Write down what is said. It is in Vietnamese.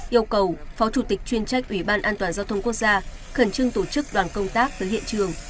yêu cầu phó chủ tịch chuyên trách ủy ban an toàn giao thông quốc gia khẩn trương tổ chức đoàn công tác tới hiện trường